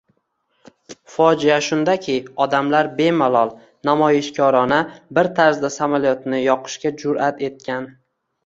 Fojea shundaki, odamlar bemalol, namoyishkorona bir tarzda samolyotni yoqishga jurʼat etgan.